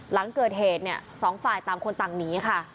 หลังเกิดเหตุเนี่ยสองฝ่ายต่างคนต่างหนีค่ะ